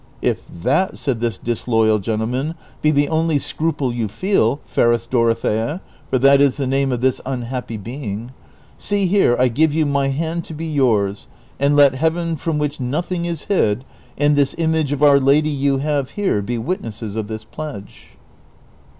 —" If that," said this disloyal gentleman, "be the only scruple you feel, fairest Dorothea" (for that is the name of this unhappy being), "see here I give you my hand to be yours, and let Heaven, from which nothing is hid, and this image of Our Lady you have here, be witnesses of this pledge."